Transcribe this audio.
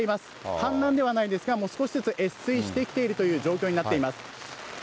氾濫ではないですが、もう少しずつ越水してきているという状況になっています。